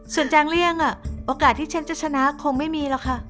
ส่วนจางเลี่ยงโอกาสที่ฉันจะชนะคงไม่มีหรอกค่ะ